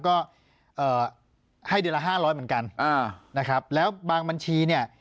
ก็ให้เดือนละ๕๐๐บาทเหมือนกันนะครับแล้วบางบัญชีเนี่ย